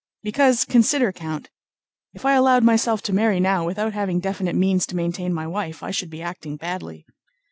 "Because, consider, Count—if I allowed myself to marry now without having definite means to maintain my wife, I should be acting badly...."